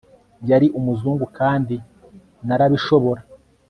Yari umuzungu kandi narabishobora